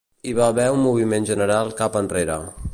Hi va haver un moviment general cap enrere.